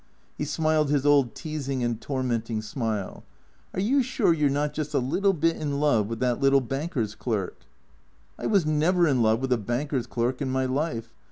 He smiled his old teasing and tormenting smile. " Are you sure you 're not just a little bit in love with that little banker's clerk ?"" I was never in love with a banker's clerk in my life.